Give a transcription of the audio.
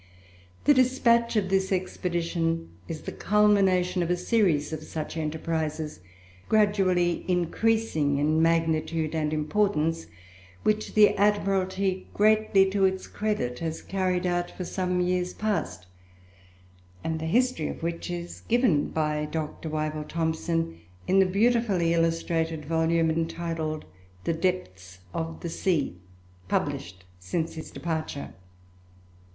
The dispatch of this expedition is the culmination of a series of such enterprises, gradually increasing in magnitude and importance, which the Admiralty, greatly to its credit, has carried out for some years past; and the history of which is given by Dr. Wyville Thomson in the beautifully illustrated volume entitled "The Depths of the Sea," published since his departure.